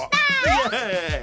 イエイ！